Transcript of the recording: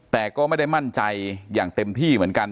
แต่ก็ไม่ได้มั่นใจอย่างเต็มที่เหมือนกัน